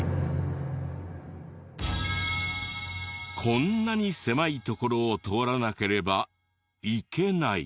こんなに狭い所を通らなければ行けない。